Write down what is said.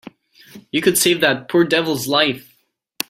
You could save that poor devil's life.